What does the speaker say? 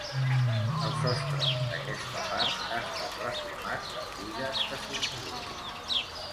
El sostre d'aquesta part ha estat reformat amb bigues de formigó.